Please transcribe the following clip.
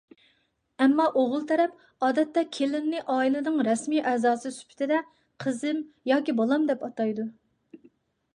ئەمما ئوغۇل تەرەپ ئادەتتە كېلىننى ئائىلىنىڭ رەسمىي ئەزاسى سۈپىتىدە «قىزىم ياكى بالام» دەپ ئاتايدۇ.